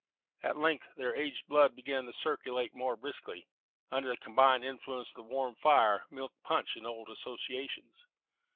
At length their aged blood began to circulate more briskly, under the combined influence of the warm fire, milk punch, and old associations.